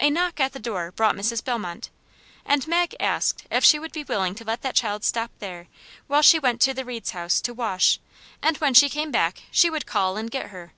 A knock at the door brought Mrs. Bellmont, and Mag asked if she would be willing to let that child stop there while she went to the Reed's house to wash, and when she came back she would call and get her.